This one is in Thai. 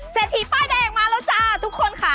เศรษฐีป้ายแดงมาแล้วจ้าทุกคนค่ะ